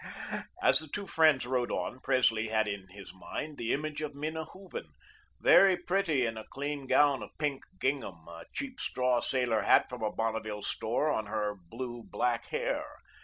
As the two friends rode on, Presley had in his mind the image of Minna Hooven, very pretty in a clean gown of pink gingham, a cheap straw sailor hat from a Bonneville store on her blue black hair.